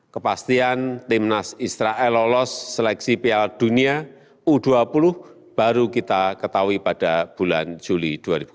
kepastian timnas israel lolos seleksi piala dunia u dua puluh baru kita ketahui pada bulan juli dua ribu dua puluh